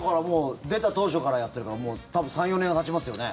出た当初からやってるからもう多分３４年はたちますよね。